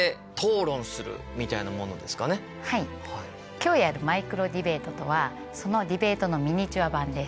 今日やるマイクロディベートとはそのディベートのミニチュア版です。